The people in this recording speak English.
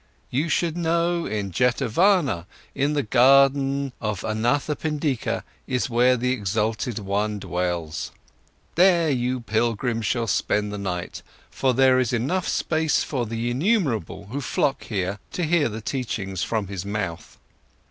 You should know, in Jetavana, in the garden of Anathapindika is where the exalted one dwells. There you pilgrims shall spend the night, for there is enough space for the innumerable, who flock here, to hear the teachings from his mouth."